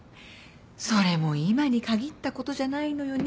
それも今に限ったことじゃないのよね。